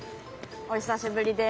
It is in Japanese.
お久しぶりです。